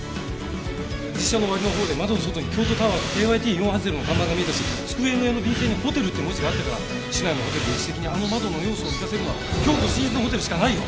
実写の終わりのほうで窓の外に京都タワーとＫＹＴ４８０の看板が見えたし机の上の便箋に「ＨＯＴＥＬ」って文字があったから市内のホテルで位置的にあの窓の要素を満たせるのは京都シーズンホテルしかないよ。